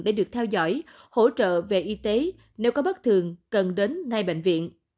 để được theo dõi hỗ trợ về y tế nếu có bất thường cần đến ngay bệnh viện